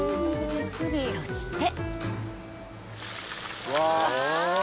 ［そして］